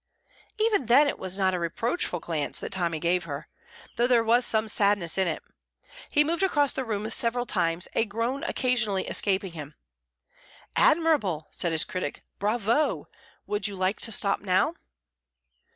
Even then it was not a reproachful glance that Tommy gave her, though there was some sadness in it. He moved across the room several times, a groan occasionally escaping him. "Admirable!" said his critic. "Bravo! Would you like to stop now?"